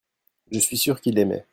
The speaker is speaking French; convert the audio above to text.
je suis sûr qu'il aimait.